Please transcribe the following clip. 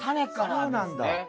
そうなんだ。